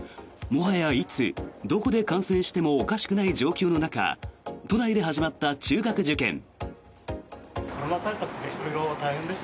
もはや、いつ、どこで感染してもおかしくない状況の中都内で始まった中学受験。